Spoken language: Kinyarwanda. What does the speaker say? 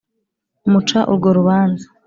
muca urwo rubanza,